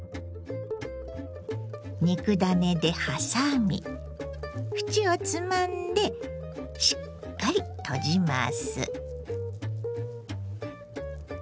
肉ダネで挟み縁をつまんでしっかり閉じます。